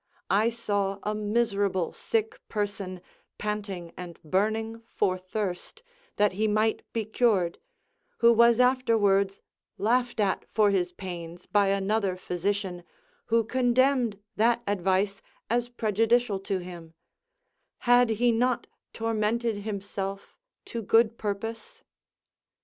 I saw a miserable sick person panting and burning for thirst, that he might be cured, who was afterwards laughed at for his pains by another physician, who condemned that advice as prejudicial to him: had he not tormented himself to good purpose?